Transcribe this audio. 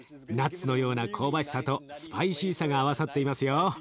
ナッツのような香ばしさとスパイシーさが合わさっていますよ。